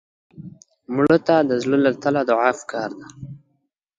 مړه ته د زړه له تله دعا پکار ده